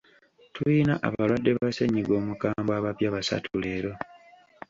Tuyina abalwadde ba ssenyiga omukambwe abapya basatu leero.